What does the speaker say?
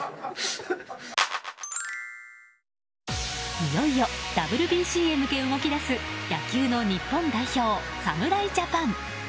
いよいよＷＢＣへ向け動き出す野球の日本代表、侍ジャパン。